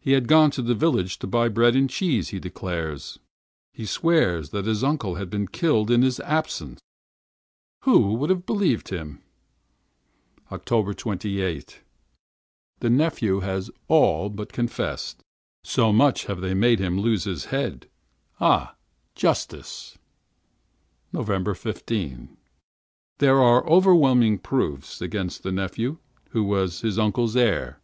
He had gone to the village to buy bread and cheese, he declared. He swore that his uncle had been killed in his absence! Who would believe him? 28th October. The nephew has all but confessed, they have badgered him so. Ah! ah! justice! 15th November. There are overwhelming proofs against the nephew, who was his uncle's heir.